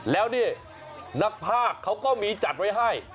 แล้วนี่นักภาคเขาก็มีจัดไว้ให้